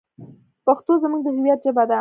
پښتو زموږ د هویت ژبه ده.